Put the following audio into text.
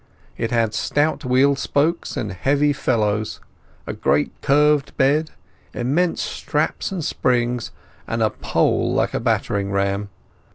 It had stout wheel spokes and heavy felloes, a great curved bed, immense straps and springs, and a pole like a battering ram.